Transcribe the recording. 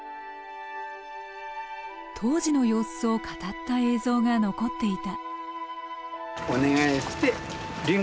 当時の様子を語った映像が残っていた。